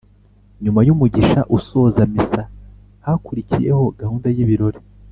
nyuma y’umugisha usoza misa hakurikiyeho gahunda y’ibirori